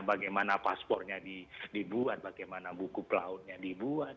bagaimana paspornya dibuat bagaimana buku pelautnya dibuat